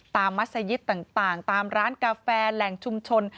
มัศยิตต่างตามร้านกาแฟแหล่งชุมชน